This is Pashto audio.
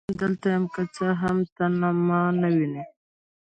زه لا هم دلته یم، که څه هم ته ما نه وینې.